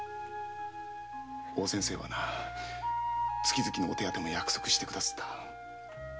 大先生はな月々のお手当も約束して下さった。